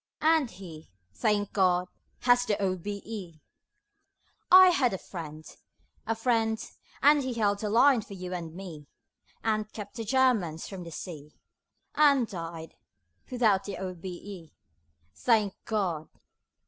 And he thank God! has the O.B.E. I had a friend; a friend, and he Just held the line for you and me, And kept the Germans from the sea, And died without the O.B.E. Thank God!